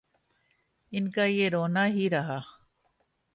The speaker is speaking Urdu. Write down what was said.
ان کا یہ رونا ہی رہا۔